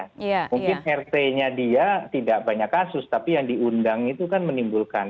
mungkin rt nya dia tidak banyak kasus tapi yang diundang itu kan menimbulkan